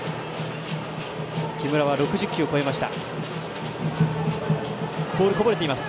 木村は６０球を超えました。